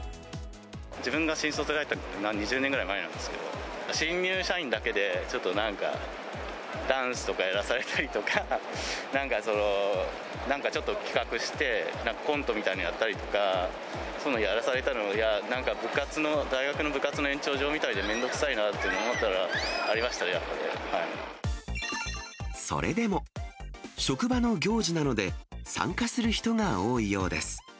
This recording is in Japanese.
自分が新卒で入った２０年ぐらい前なんですけど、新入社員だけでちょっとなんか、ダンスとかやらされたりとか、なんかちょっと企画して、なんかコントみたいのやったりとか、そういうのやらされたのが、なんか大学の部活の延長線上みたいで面倒くさいなと思ったのがあそれでも、職場の行事なので参加する人が多いようです。